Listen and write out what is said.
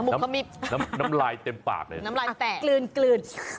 แล้วก็มีน้ำลายเต็มปากเลยน้ำลายแตกกลืนกลืน